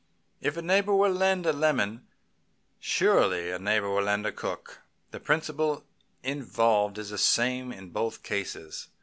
"If a neighbor will lend a lemon, surely a neighbor will lend a cook. The principle involved is the same in both cases.